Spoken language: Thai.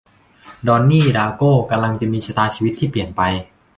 ดอนนี่ ดาร์โก้ กำลังจะมีชะตาชีวิตที่เปลี่ยนไป